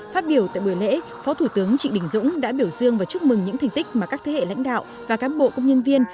phát biểu tại buổi lễ phó thủ tướng trịnh đình dũng đã biểu dương và chúc mừng những thành tích mà các thế hệ lãnh đạo và cán bộ công nhân viên